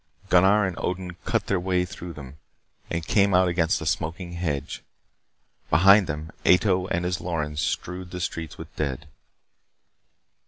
Gunnar and Odin cut their way through them, and came out against a smoking hedge. Behind them, Ato and his Lorens strewed the streets with dead.